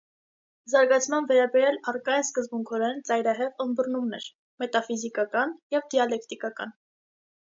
Զարգացման վերաբերյալ առկա են սկզբունքորեն ծայրահեղ ըմբռնումներ՝ մետաֆիզիկական և դիալեկտիկական։